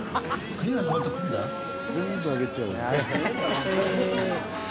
栗もあげちゃう。